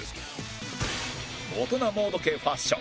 大人モード系ファッション